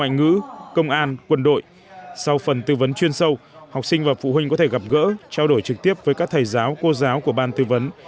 trong phần tư vấn chuyên sâu học sinh và phụ huynh có thể gặp gỡ trao đổi trực tiếp với các thầy giáo cô giáo của ban tư vấn